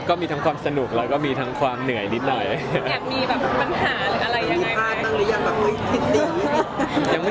ก็มีทั้งความสนุกแล้วก็มีทั้งความเหนื่อยนิดหน่อย